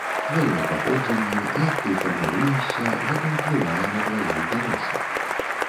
Тваё паходжанне, як ты фарміруешся, гэта ўплывае на твае інтарэсы.